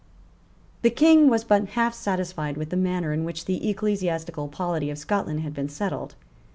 The King was but half satisfied with the manner in which the ecclesiastical polity of Scotland had been settled.